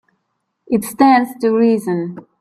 It stands to reason.